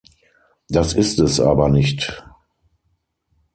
Das ist es aber nicht.